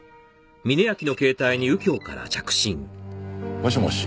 もしもし。